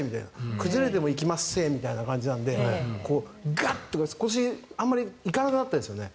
崩れても行きまっせみたいな感じなのでガッと、今年はあまり行かなくなったですよね。